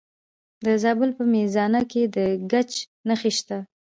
د زابل په میزانه کې د ګچ نښې شته.